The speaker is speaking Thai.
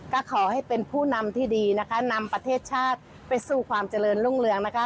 ก็ขอให้เป็นผู้นำที่ดีนะคะนำประเทศชาติไปสู่ความเจริญรุ่งเรืองนะคะ